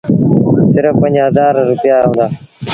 سرڦ پنج هزآر رپيآ هُݩدآ۔